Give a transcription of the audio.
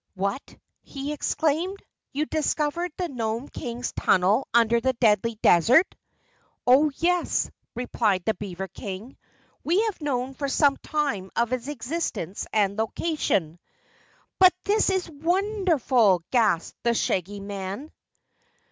"What!" he exclaimed. "You discovered the Nome King's tunnel under the Deadly Desert?" "Oh, yes," replied the beaver King. "We have known for some time of its existence and location." "But this is wonderful!" gasped the Shaggy Man.